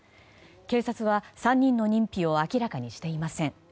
警察は、３人の認否を明らかにしていません。